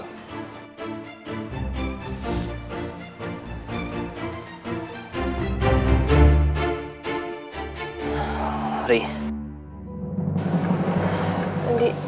aku mau ke tempatnya